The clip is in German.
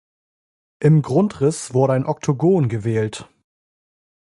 Im Grundriss wurde ein Oktogon gewählt.